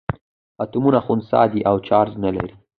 اتومونه خنثي دي او چارج نه لري.